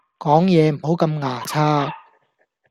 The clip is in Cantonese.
講嘢唔好咁牙擦